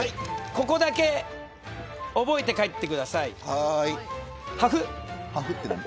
ここだけ覚えて帰ってください。